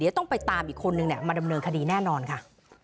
ต้องไปตามอีกคนนึงมาดำเนินคดีแน่นอนค่ะ